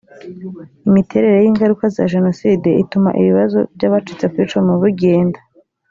imiterere y ingaruka za jenoside ituma ibibazo by abacitse ku icumu bigenda